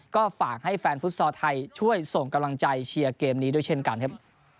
ก็ฝากให้แฟนฟุตซอลไทยช่วยส่งกำลังใจเชียร์เกมนี้ด้วยเช่นกันครับ